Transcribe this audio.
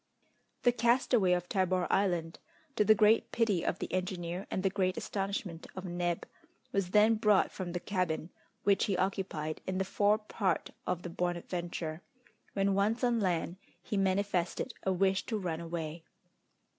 The castaway of Tabor Island, to the great pity of the engineer and the great astonishment of Neb, was then brought from the cabin which he occupied in the fore part of the Bonadventure; when once on land he manifested a wish to run away.